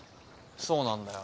そうなんだよ。